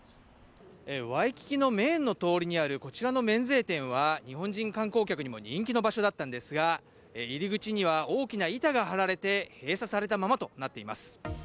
ワイキキのメインの通りにあるこちらの免税店は、日本人観光客にも人気の場所だったんですが、入り口には大きな板が張られて、閉鎖されたままとなっています。